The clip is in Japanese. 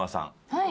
はい。